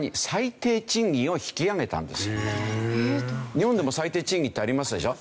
日本でも最低賃金ってありますでしょ。